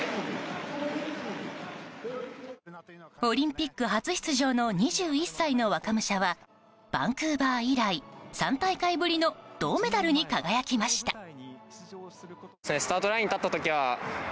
オリンピック初出場の２１歳の若武者はバンクーバー以来３大会ぶりの銅メダルに輝きました。